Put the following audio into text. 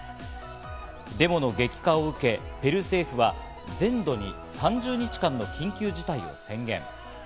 デモの激化を受けペルー政府は全土に３０日間の緊急事態を宣言。